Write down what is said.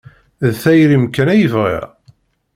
D tayri-m kan ay bɣiɣ.